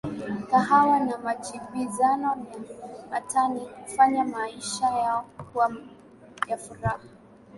Kahawa na majibizano ya matani hufanya maisha yao kuwa ya furaha